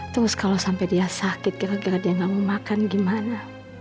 terus kalo sampe dia sakit gara gara dia ga mau makan gimana